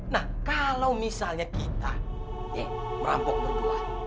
nah kalau misalnya kita merampok berdua